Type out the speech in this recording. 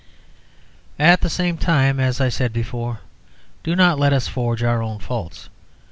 At the same time, as I said before, do not let us forged our own faults.